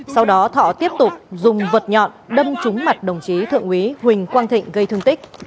sau đó thọ tiếp tục dùng vật nhọn đâm trúng mặt đồng chí thượng úy huỳnh quang thịnh gây thương tích